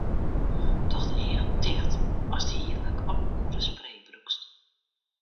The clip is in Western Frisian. Doch de eagen ticht ast hierlak of in oare spray brûkst.